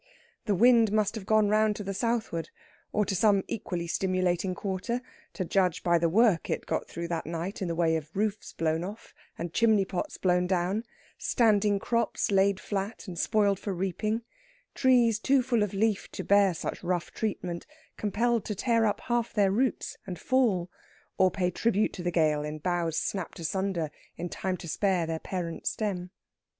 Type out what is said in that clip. The wind must have gone round to the southward, or to some equally stimulating quarter, to judge by the work it got through that night in the way of roofs blown off and chimney pots blown down; standing crops laid flat and spoiled for reaping; trees too full of leaf to bear such rough treatment compelled to tear up half their roots and fall, or pay tribute to the gale in boughs snapped asunder in time to spare their parent stem.